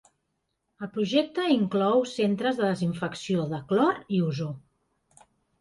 El projecte inclou centres de desinfecció de clor i ozó.